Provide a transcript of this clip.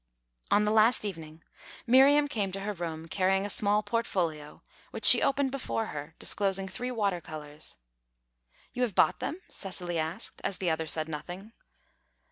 On the last evening, Miriam came to her room, carrying a small portfolio, which she opened before her, disclosing three water colours. "You have bought them?" Cecily asked, as the other said nothing.